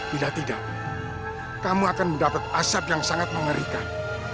bila tidak kamu akan mendapat asap yang sangat mengerikan